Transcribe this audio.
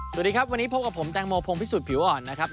สวัสดีครับวันนี้พบกับผมแตงโมพงพิสุทธิผิวอ่อนนะครับ